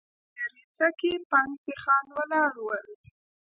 په دريڅه کې پنډ سيخان ولاړ ول.